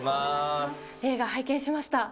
映画、拝見しました。